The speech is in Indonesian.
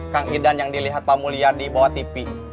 kang idan yang dilihat pak mulyadi bawa tv